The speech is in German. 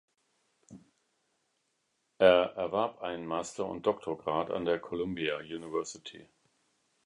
Er erwarb einen Master- und Doktorgrad an der Columbia University.